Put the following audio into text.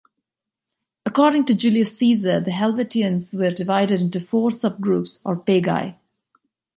According to Julius Caesar, the Helvetians were divided into four subgroups or pagi.